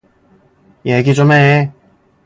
얘기 좀 해.